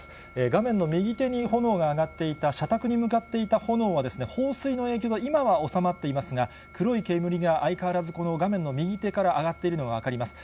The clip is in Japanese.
画面の右手に炎が上がっていた、社宅に向かっていた炎は、放水の影響は今は収まっていますが、黒い煙が相変わらずこの画面の右手から上がっているのが分かります。